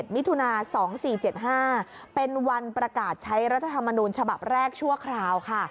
มิถุนา๒๔๗๕เป็นวันประกาศใช้รัฐธรรมนูญฉบับแรกชั่วคราวค่ะ